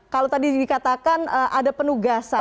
kalau tadi dikatakan ada penugasan